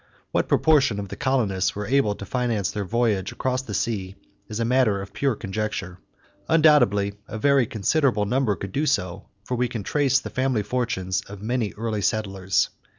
What proportion of the colonists were able to finance their voyage across the sea is a matter of pure conjecture. Undoubtedly a very considerable number could do so, for we can trace the family fortunes of many early settlers.